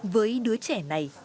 với đứa trẻ này